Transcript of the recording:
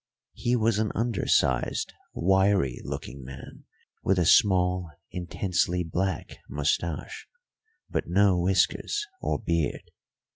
He was an undersized, wiry looking man with a small, intensely black moustache, but no whiskers or beard.